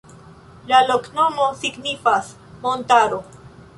La loknomo signifas: montaro.